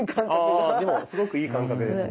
ああでもすごくいい感覚ですね。